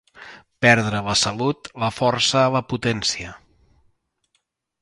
Perdre la salut, la força, la potència.